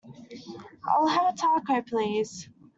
I'll have a Taco, please.